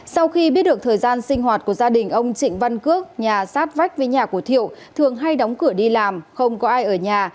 sau khi biết được thời gian sinh hoạt của gia đình ông trịnh văn cước nhà sát vách với nhà của thiệu thường hay đóng cửa đi làm không có ai ở nhà